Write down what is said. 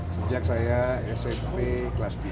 sejak saya berada di rumah saya sudah mencari penyelesaian